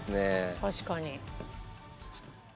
確かに。